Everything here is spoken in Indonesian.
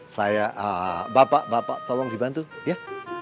saya bapak bapak tolong dibantu ya